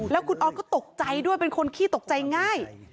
แล้วคุณออสก็ตกใจด้วยเป็นคนขี้ตกใจง่าย